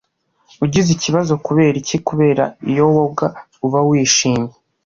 ugize ikibazo Kubera iki Kubera ko iyo woga uba wishimye